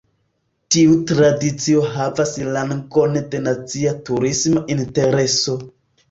Tiu tradicio havas rangon de nacia turisma intereso.